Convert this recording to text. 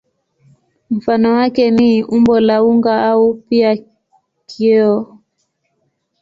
Mfano wake ni umbo la unga au pia kioo.